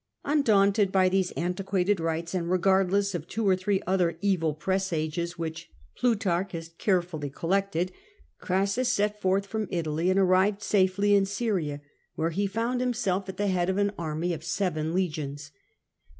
Undaunted by these antiquated rites, and regardless of two or three other evil presages which Plutarch has carefully collected, Crassus set forth from Italy and arrived safely in Syria, where he found himself at the CRASSDS 196 head of an army of seven legions.